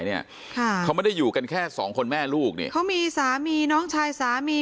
เนี่ยค่ะเขาไม่ได้อยู่กันแค่สองคนแม่ลูกเนี่ยเขามีสามีน้องชายสามี